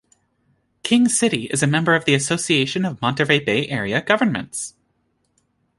King City is a member of the Association of Monterey Bay Area Governments.